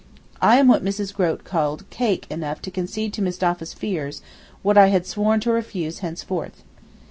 I am what Mrs. Grote called 'cake' enough to concede to Mustapha's fears what I had sworn to refuse henceforth.